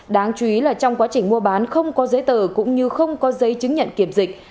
đáng chú ý là trong quá trình mua bán không có giấy tờ cũng như không có giấy chứng nhận kiểm dịch